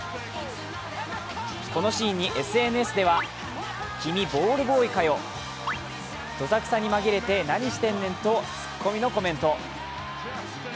このシーンにＳＮＳでは、君、ボールボーイかよ、どさくさに紛れて何してんねんとツッコミのコメント。